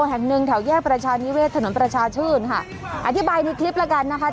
แห่งหนึ่งแถวแยกประชานิเวศถนนประชาชื่นค่ะอธิบายในคลิปแล้วกันนะคะ